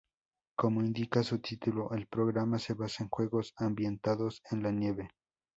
Como indica su título, el programa se basa en juegos ambientados en la nieve.